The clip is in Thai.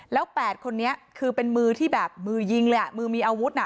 แล้ว๘คนนี้คือเป็นมือที่แบบมือยิงเลยอ่ะมือมีอาวุธน่ะ